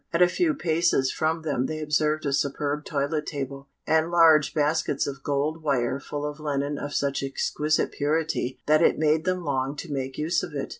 At a few paces from them they observed a superb toilet table, and large baskets of gold wire full of linen of such exquisite purity that it made them long to make use of it.